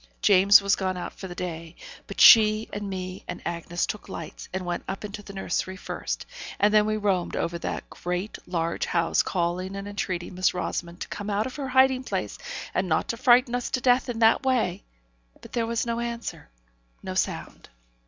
James was gone out for the day, but she, and me, and Bessy took lights, and went up into the nursery first; and then we roamed over the great, large house, calling and entreating Miss Rosamond to come out of her hiding place, and not frighten us to death in that way. But there was no answer; no sound.